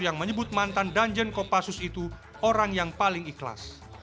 yang menyebut mantan danjen kopassus itu orang yang paling ikhlas